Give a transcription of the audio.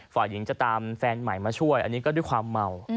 ฝ่ายหญิงจะตามแฟนใหม่มาช่วยอันนี้ก็ด้วยความเมา